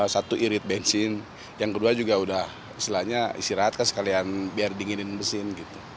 satu irit bensin yang kedua juga udah isirahat kan sekalian biar dinginin mesin